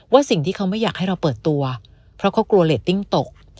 สิ่งที่เขาไม่อยากให้เราเปิดตัวเพราะเขากลัวเรตติ้งตก